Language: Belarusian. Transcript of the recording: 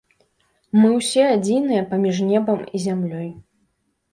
Мы ўсе адзіныя паміж небам і зямлёй.